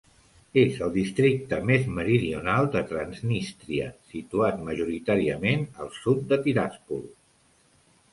És el districte més meridional de Transnistria, situat majoritàriament al sud de Tiraspol.